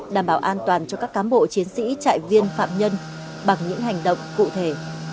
đảm bảo an toàn cho các cám bộ chiến sĩ trại viên phạm nhân bằng những hành động cụ thể